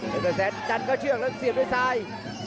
เป็นแสนจัดก็เชื่อกแล้วเสียดด้วยทราย